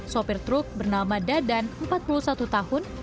sopir truk bernama dadan empat puluh satu tahun